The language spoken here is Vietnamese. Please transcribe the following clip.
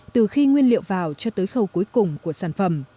chúng tôi đưa vào cho tới khâu cuối cùng của sản phẩm